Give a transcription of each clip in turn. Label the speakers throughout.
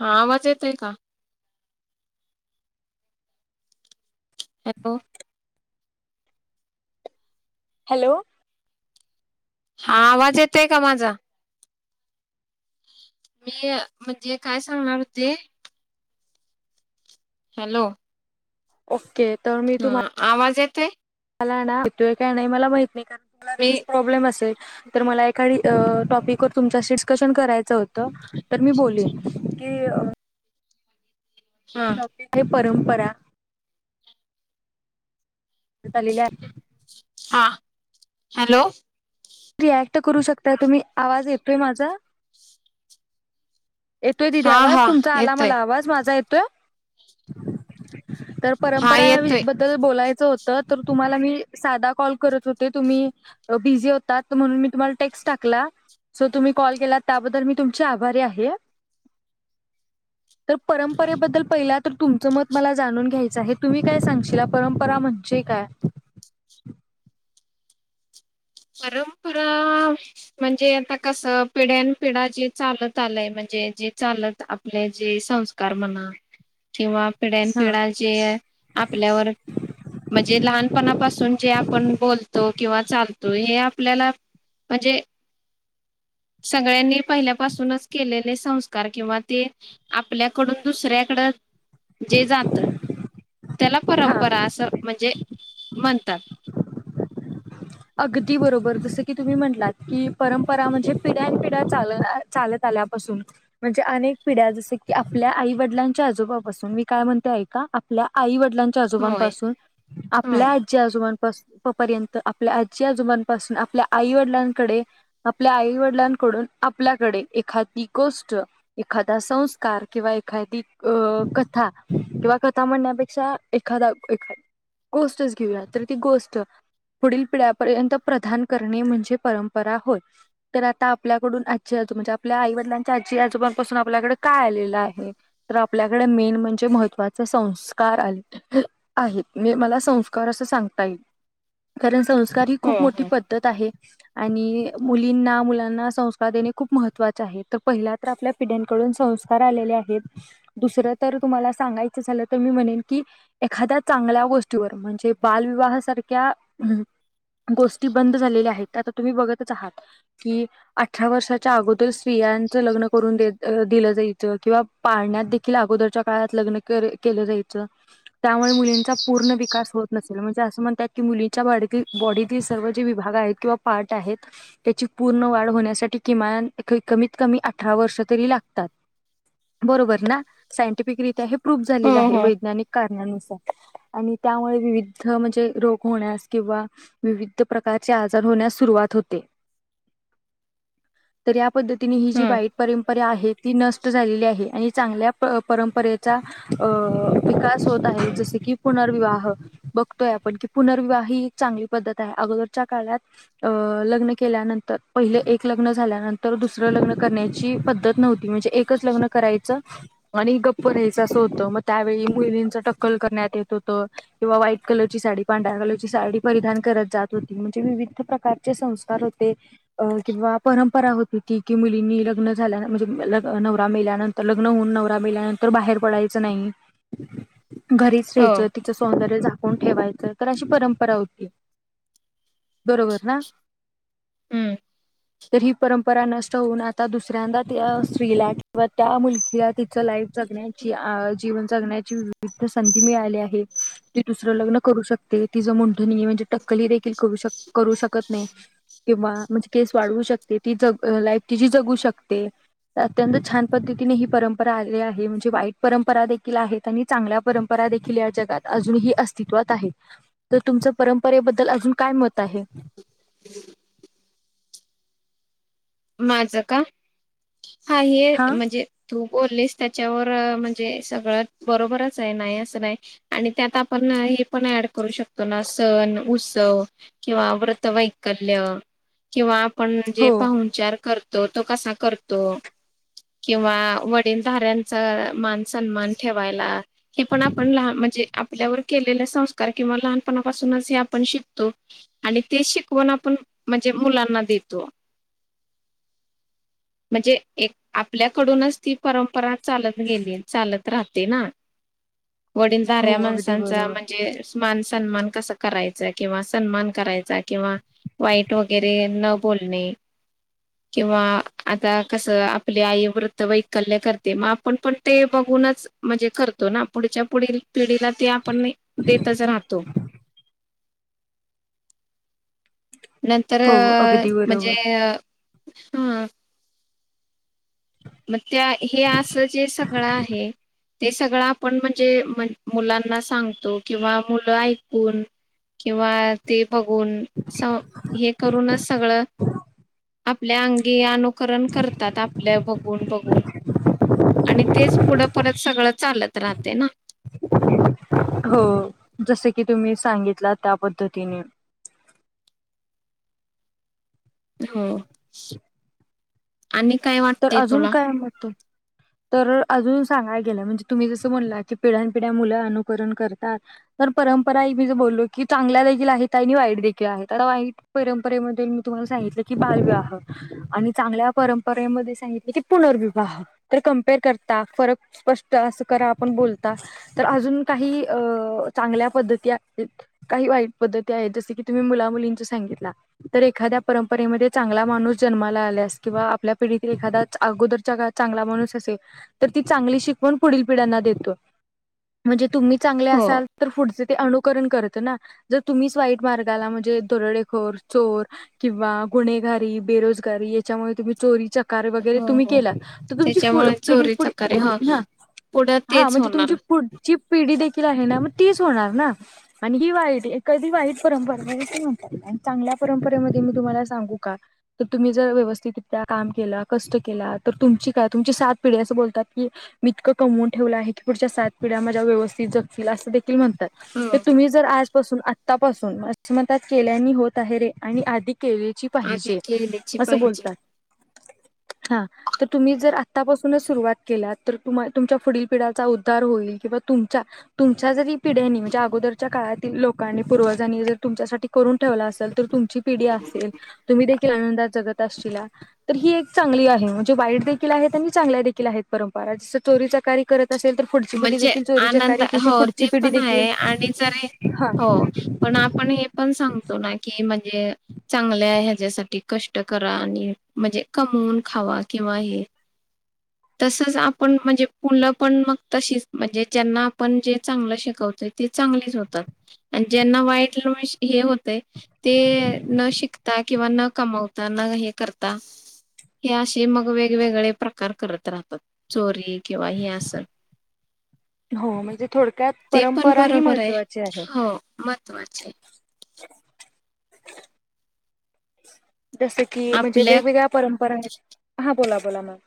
Speaker 1: हा आवाज येत आहे का हॅलो
Speaker 2: हॅलो
Speaker 1: हा आवाज येतय का माझा मी म्हणजे काय सांगणार होते हॅलो
Speaker 2: ओके तर मी तुम्हा
Speaker 1: हा आवाज येतोय?
Speaker 2: काय नाही मला माहित नाही कारण तुम्हाला रें
Speaker 1: मी
Speaker 2: प्रॉब्लेम असेल तर मला एखा टॉपिकवर तुमच्यास डिस्कशन करायचं होतं तर मी बोललीन की
Speaker 1: हा
Speaker 2: की परंपरा तलीला
Speaker 1: हा हॅलो
Speaker 2: रिॲक्ट करू शकताय तुम्ही आवाज येतोय माझा येतोय दीदी
Speaker 1: हा
Speaker 2: आवाज
Speaker 1: हा
Speaker 2: तुमचा आला
Speaker 1: येतोय
Speaker 2: मला आवाज माझा येतोय तर
Speaker 1: हा
Speaker 2: परंपरा
Speaker 1: येतोय.
Speaker 2: याल बोलायचं होत तर तुम्हाला मी साधा कॉल करत होते तुम्ही बिझी म्हणून मी तुम्हाला टेक्स्ट टाकला सो तुम्ही कॉल केलात त्याबद्दल मी तुमचे आभारी आहे
Speaker 1: [unintelligible]
Speaker 2: तर परंपरेबद्दल पहिला तर तुमचं मत मला जाणून घ्यायचं आहे तुम्ही काय सांगशील परंपरा म्हणजे काय
Speaker 1: परंपरा म्हणजे आता कस पिढ्यान पिढा जे चालत आलाय म्हणजे जे चालत आप जे संस्कार म्हणा किंवा पिढ्यान
Speaker 2: हा.
Speaker 1: पिढ्या जे आपल्यावर म्हणजे लहानपणापासून जे आपण बोलतो किंवा चालतो त हे आपल्याला म्हणजे सगळ्यांनी पहिल्यापासूनच केलेले संस्कार किंवा ते आपल्याकडून दुसऱ्याकडं जे जात त्याला
Speaker 2: हा
Speaker 1: परंपरा असं म्हणजे म्हणतात
Speaker 2: अगदी बरोबर जसं की तुम्ही म्हटलात की परंपरा म्हणजे पिढ्यानपिढ्या चालणार चालत आल्यापासून म्हणजे अनेक पिढ्या जस की आपल्या आई वडिलांच्या आजोबापासून मी काय म्हणते ऐ का आपल्या आई वडिलां
Speaker 1: होय.
Speaker 2: आजोबांपासून
Speaker 1: हो.
Speaker 2: आपल्या आजी आजोबापर्यंत आपल्या आजी आजुबांपासून आपल्या आई वडिलांकडे आपल्या आई वडिलांकडून आपल्याकडे एखादी गोष्ट एखादा संस्कार किंवा एखादी अ कथा किंवा कथा म्हणण्यापेक्षा एखादा एखा गोष्टच घेऊया तर ती गोष्ट पुढील पिढ्यापर्यंत प्रधान करणे म्हणजे परंपरा होय तर आता आपल्याकडून आजी आजू म्हणजे आपल्या आई वडलांच्या आजी आजोबांपासून आपल्याकडे काय आलेलं आहे तर आपल्याकडे मेन म्हणजे महत्त्वाचे संस्कार आले आहेत मी मला संस्कार असं सांगता येईल कारण संस्कार ही
Speaker 1: हो
Speaker 2: खूप मोठी
Speaker 1: हो.
Speaker 2: पद्धत आहे आणि मुलींना मुलांना संस्कार देणे खूप महत्त्वाचे आहे तर पहिल्या आपल्या पिढ्यांकडून संस्कार आलेले आहेत दुसरं तर तुम्हाला सांगायचं झालं तर मी म्हणेन की एखाद्या चांगल्या गोष्टीवर म्हणजे बालविवाहासारख्या अ गोष्टी बंद झालेल्या आहेत आता तुम्ही बघतच आहात की अठरा वर्षाच्या अगोदर स्त्रियांचं लग्न करून दिलं जायचं किंवा पाळण्यात देखील अगोदरच्या काळात लग्न के केलं जायचं त्यामुळे मुलींचा पूर्ण विकास होत नसेल म्हणजे असं म्हणतात की मुली बॉडीतील सर्व जे विभाग आहेत किंवा पार्ट आहेत त्याची पूर्ण वाढ होण्यासाठी किमान कमीत कमी अठरा वर्ष तरी लागतात बरोबर ना सायंटिफिकरीित्या हे प्रूफ
Speaker 1: हो
Speaker 2: झालेला आहे
Speaker 1: हो.
Speaker 2: वैज्ञानिक कारणानुसार आणि त्यामुळे विविध म्हणजे रोग होण्यास किंवा विविध प्रकारचे आजार होण्यास सुरुवात होते तर या पद्धतीने ही जी
Speaker 1: हं.
Speaker 2: बाईट परंपरा आहे ती नष्ट झालेली आहे आणि चांगल्या परंपरेचा विकास होत आहे जसे की पुनर्विवाह बघतोय आपण की पुनर्विवाह ही एक चांगली पद्धत आहे अगोदरच्या काळात अ लग्न केल्यानंतर पहिलं एक लग्न झाल्यानंतर दुसरं लग्न करण्याची पद्धत नव्हती म्हणजे एकच लग्न करायचं आणि गप्प रहायचं असं होतं मग त्यावेळी मुलींच टक्कल करण्यात येत होतं किंवा व्हाईट कलरची साडी पांढ्या कलरची साडी परिधान करत जात होती म्हणजे विविध प्रकारचे संस्कार होते अ किंवा परंपरा होती. कि की मुलींनी लग्न झाल्या म्हणजे अ नवरा मेल्यानंतर लग्न होऊन नवरा मेल्यानंतर बाहेर पडायचं नाही.
Speaker 1: [inaudible]
Speaker 2: घरीच
Speaker 1: हो.
Speaker 2: रहायचं, तिचं सौंदर्य झाकून ठेवायचं कारण अशी परंप परा होती. बरोबर ना?
Speaker 1: हम्म.
Speaker 2: तर ही परंपरा नष्ट होऊन आता दुसऱ्यांदा त्या स्त्रीला किंवा त्या मुलगी ति तिच लाईफ जगण्याची, आ जीवन जगण्याची [unintelligible] संधी मिळाली आहे. ती दुसरं लग्न करू शकते, तिज मुन म्हणजे टक्कली देखील करू शक करू शकत नाही. किंवा म्हणजे केस वाढवू शकते ती ज लाईफ तिची जगू शकते. अत्यंत छान पद्धतीने ही परंपरा आली आहे म्हणजे वाईट परंपरा देखील आहेत. चांगल्या परंपरा देखील या जगात अजूनही अस्तित्वात आहेत. तर तुमचं परंपरेबद्दल अजून काय मत आहे?
Speaker 1: माझं का? हा हे म्हणजे तू बोललीस त्याच्यावर म्हणजे सगळं बरोबरच आहे नाही असं नाही. आणि त्यात आपण हे पण ऍड करू शकतो ना सण, उत्सव किंवा व्रतवैकल्य किंवा आपण जे
Speaker 2: हो
Speaker 1: पाहून विचार करतो तो कसा करतो? किंवा वडीलधाऱ्यांचा मान सन्मान ठेवायला हे पण आपण लहान म्हणजे आपल्यावर केलेले संस्कार किंवा लहानपणापासूनच हे आपण शिकतो. आणि ते शिकवण आपण म्हणजे मुलांना देतो. म्हणजे एक आपल्याकडूनच ती परंपरा चालत गेली आणि चालत राहते ना. वडीलधाऱ्या
Speaker 2: हो अगदी
Speaker 1: माणसांचा
Speaker 2: बरोबर.
Speaker 1: म्ह जे स्मान सन्मान कसां करायचा किंवा सन्मान करायचा किंवा वाईट वगैरे न बोलणे. किंवा आता कसं आपली आई व्रतवैकल्य करते, मग आपण पण ते बघूनच म्हणजे करतो ना, पुढच्या पुढील पिढीला ते आपण नाई देतच राहतो. नंतर
Speaker 2: हो अगदी
Speaker 1: म्हणजे
Speaker 2: बरोबर
Speaker 1: हम्म मग त्या हे असं जे सगळं आहे ते सगळं आपण म्हणजे मन् मुलांना सांगतो किंवा मुलं ऐकून किंवा ते बघून स हे करूनच सगळं आपल्या अंगी अनु करण करतात. आपल्या बघ न बघून आणि तेच पुढं परत सगळं चालत राहते ना?
Speaker 2: हो जसं की तुम्ही सांगितला त्या पद्धतीने.
Speaker 1: हो. आणि काय वाटतेय तुला?
Speaker 2: थांब [unintelligible] तर अजून सांगाय गेलं म्हणजे तुम्ही जसं म्हणला की पिढ्यापिढ्या मुलं अनुकरण करतात. तर परंपरा एक मीच बोललो की चांगल्या देखील आहेत आणि वाईट देखील आहे. आता वाईट परंपरेमध्ये मी तुम्हाला सांगितलं की बालविवाह आणि चांगल्या परंप रेमध्ये सांगितले की पुनर्विवाह. तर कम्पेअर करता फरक स्पष्ट असं करा आपण बोलता तर अजून काही अ चांगल्या पद्धती आहेत. काही वाईट पद्धती आहेत जस की तुम्ही मुला मुलींच सांगितला. तर एखाद्या परंपरेमध्ये चांगला माणूस जन्माला आल्यास किंवा आपल्या पिढीतील एखादाच अगोदरच्या काळात चांगला माणूस असे तर ती चांगली शिकवण पुढील पिढ्यांना देतो. म्हणजे तुम्ही चांगले
Speaker 1: हो
Speaker 2: असाल तर पुढचे ते अनुकरण करतं ना. जर तुम्हीच वाईट मार्गाला म्हणजे दरोडेखोर, चोर किंवा गुन्हेगारी बेरोजगारी याच्यामुळे तुम्ही चोरीच्या कार वगैरे
Speaker 1: हो
Speaker 2: तुम्ही
Speaker 1: हो
Speaker 2: केला तर तुमची पुढ
Speaker 1: त्याच्यामुळे
Speaker 2: पिढी
Speaker 1: चोरीचा
Speaker 2: पुढी
Speaker 1: कार्य ह
Speaker 2: हां
Speaker 1: पुढं
Speaker 2: हा
Speaker 1: तेच
Speaker 2: म्हणजे
Speaker 1: होणार
Speaker 2: तुमची पुढची पिढी देखील आहे ना मग तीच होणार ना आणि ही वाईट एखादी वाईट परंपरा म्हणजे ते म्हणत्यात ना चांगल्या परंपरेमध्ये मी तुम्हाला सांगू का तर तुम्ही जरा व्यवस्थित त्या काम केला कष्ट केला तर तुमची काय तुमची सात पिढी असं बोलतात की मी इतकं कमवून ठेवलं आहे की पुढच्या सात पिढ्या माझ्या व्यवस्थित जगतील असं दे ते म्हणतात तर
Speaker 1: हम्म
Speaker 2: तुम्ही जर आजपासून आत तपासून म्हणतात केल्याने होत आहे रे आणि आधि केलेची
Speaker 1: आधी
Speaker 2: पाहिजे
Speaker 1: केलीची
Speaker 2: असं
Speaker 1: पाहिजे
Speaker 2: बोलतात हा तर तुम्ही जर आत्तापासूनच सुरुवात केलात तर तुम्हा तुमच्या पुढील पिढ्याचा उद्धार होईल किंवा तुमच्या तुमच्या जरी पिढ्यांनी म्हणजे अगोदरच्या काळातील लोकांनी पूर्वजांनी जर तुमच्यासाठी करून ठेवलं असलं तर तुम ची पिढी असेल तुम्ही देखिल आनंदात जगत असशीला तर ही एक चांगली आहे म्हणजे वाईट देखील आहेत आणि चांगल्या देखील आहेत परंपरा जसं चोरीचा कार करत असेल तर पुढची पिढी
Speaker 1: म्हणजे
Speaker 2: देखील चोरी
Speaker 1: आनंद
Speaker 2: चकारी तिची
Speaker 1: हो ते
Speaker 2: पुढची पिढी
Speaker 1: पण
Speaker 2: देखील
Speaker 1: आहे आणि जरी
Speaker 2: हा
Speaker 1: हो पण आपण हे पण सांगतो ना की म्हणजे चांगले आहे ह्याच्यासाठी कष्ट करा आणि म्हणजे कमवून खावा किंवा हे तसंच आपण म्हणजे मुलं पण मग तशीच म्हणजे ज्यांना आपण जे चांगलं शिकवतोय ते चांगलीच होतात आणि ज्यांना वाईट हे होतंय ते न शिकता किंवा न कमवता न हे करता हे असे मग वेगवेगळे प्रकार करत राहतात चोरी किंवा हे असं
Speaker 2: हो म्हणजे थोडक्यात
Speaker 1: ते
Speaker 2: परंपरा ही महत्त्वाची आहे
Speaker 1: त्वाचे
Speaker 2: जसं की म्हणजे
Speaker 1: आपल्या
Speaker 2: वेगवेगळ्या परंपरा आहेत ह हा बोला बोला मॅम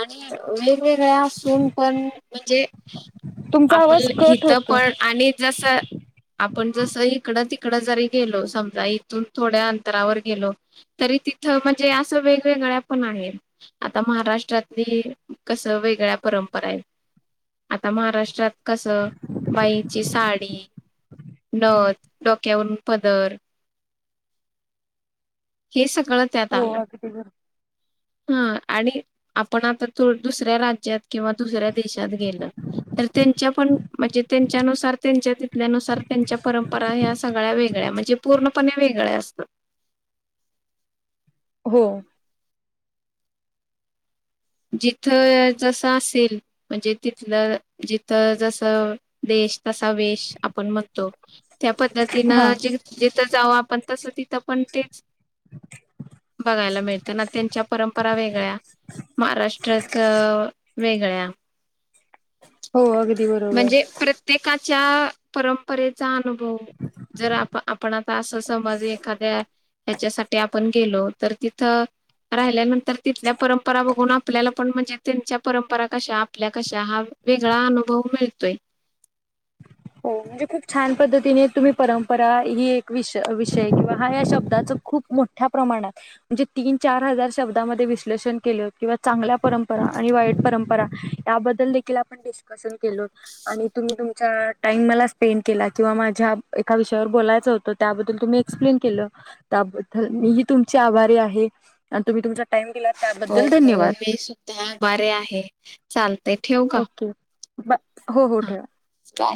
Speaker 1: आणि वेगवेगळ्या पण म्हणजे
Speaker 2: तुमचा
Speaker 1: आपण
Speaker 2: आवाज कट
Speaker 1: हिथं
Speaker 2: होतो.
Speaker 1: पण आणि जस आपण जसं इकडं तिकडं जरी गेलो समजा इथून थोड्या अंतरावर गेलो. तरी तिथ म्हणजे असं वेगवेगळ्या पण आहेत आता महाराष्ट्र हाली कसं वेगळ्या परंपरा आहेत आता महाराष्ट्रात कस बाईची साडी नथ डोक्यावरून पदर हे सगळं त्यात
Speaker 2: हो
Speaker 1: आलं
Speaker 2: अगदी बरोबर.
Speaker 1: हा आणि आपण आताो दुसऱ्या राज्यात किंवा दुसऱ्या देशात गेल तर त्यांच्या पण म्हणजे त्यांच्यानुसार त्यांच्या त्यानुसार त्यांच्या परंपरा ह्या सगळ्या वेगळ्या म्हणजे पूर्णपणे वेगळ्या असतात.
Speaker 2: हो.
Speaker 1: जिथं जसं असेल म्हणजे तिथलं जिथं जसा देश तसा वेश आपण म्हणतो. त्या
Speaker 2: हा
Speaker 1: पद्धतीनं जे जिथं जाव आपण तसं तिथं पण तेच बघायला मिळतं ना त्यांच्या परंपरा वेगळ्या महाराष्ट्राचं वेगळ्या
Speaker 2: हो अगदी बरोबर.
Speaker 1: म्हणजे प्रत्येकाच्या परंपरेचा अनुभव जर आप आपण आता असं समज एखाद्या ह्याच्यासाठी आपण गेलो तर तिथ राहिल्यानंतर तिथल्या पर परंपरा बघून आपल्याला पण म्हणजे त्यांच्या परंपरा कशा आपल्या कशा हा वेगळा अनुभव मिळतोय.
Speaker 2: हो म्हणजे खूप छान पद्धतीने तुम्ही परंपरा ही एक वि विषय किंवा हा या शब्दाच खूप मोठ- मोठ्या प्रमाणात म्हणजे तीन चार हजार शब्दामध्ये विश्लेषण केलं किंवा चांगल्या परंपरा आणि वाईट परंपरा त्याबद्दल देखील आपण डिस्कशन केलो आणि तुम्ही तुमच्या टाईम मला स्पेंड केला किंवा माझ्या एका विषयावर बोलायचं होतं त्याबद्दल तुम्ही एक्सप्लेन केलं. त्याबद्दल मी ही तुमची आभारी आहे आणि तुम्ही तुमचा टाइम दिला
Speaker 1: होय
Speaker 2: त्याबद्दल
Speaker 1: हो
Speaker 2: धन्यवाद.
Speaker 1: मी बरे आहे चालते ठेवू का.
Speaker 2: ओके. हो हो
Speaker 1: हा.
Speaker 2: ठेवा.
Speaker 1: बाय.